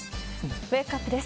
ウェークアップです。